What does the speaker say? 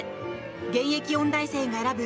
現役音大生が選ぶ